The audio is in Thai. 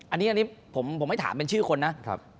อันนี้ผมไม่ถามเป็นชื่อคนนะ